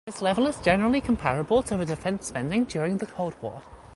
This level is generally comparable to the defense spending during the cold war.